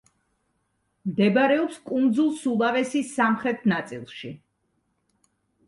მდებარეობს კუნძულ სულავესის სამხრეტ ნაწილში.